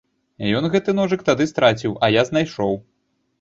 Ён гэты ножык тады страціў, а я знайшоў.